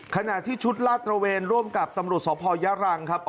ขณะที่ชุดลาดตระเวนร่วมกับตำรวจสพยรังครับ